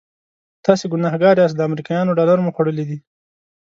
تاسې ګنهګار یاست د امریکایانو ډالر مو خوړلي دي.